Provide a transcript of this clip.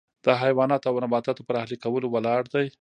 د حیواناتو او نباتاتو پر اهلي کولو ولاړ دی.